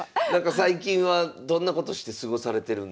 最近はどんなことして過ごされてるんでしょうか。